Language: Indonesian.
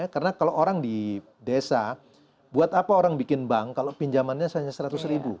karena kalau orang di desa buat apa orang bikin bank kalau pinjamannya hanya seratus ribu